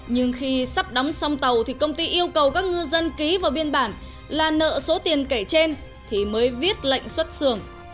nhưng khi sắp đóng xong tàu thì công ty yêu cầu các ngư dân ký vào biên bản là nợ số tiền kể trên thì mới viết lệnh xuất xưởng